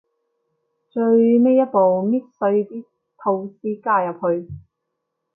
最尾一步，搣碎啲吐司加入去